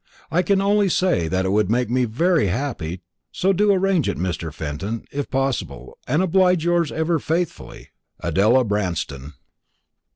I can only say that it would make me very happy; so do arrange it, dear Mr. Fenton, if possible, and oblige yours ever faithfully, ADELA BRANSTON."